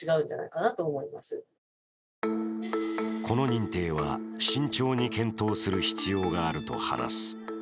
この認定は、慎重に検討する必要があると話す。